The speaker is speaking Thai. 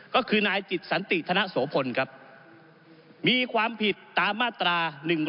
ก็คือนายจิตสันติธนโสพลครับมีความผิดตามมาตรา๑๑๒